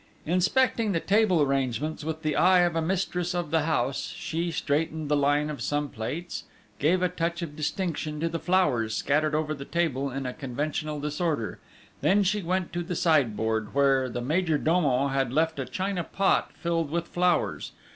Inspecting the table arrangements with the eye of a mistress of the house, she straightened the line of some plates, gave a touch of distinction to the flowers scattered over the table in a conventional disorder; then she went to the sideboard, where the major domo had left a china pot filled with flowers.